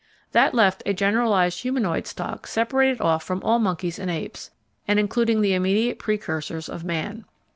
That left a generalised humanoid stock separated off from all monkeys and apes, and including the immediate precursors of man.